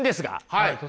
はい。